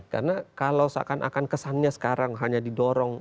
karena kalau seakan akan kesannya sekarang hanya didorong